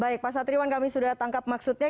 baik pak satriwan kami sudah tangkap maksudnya